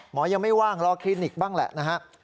ยังไม่ว่างรอคลินิกบ้างแหละนะฮะ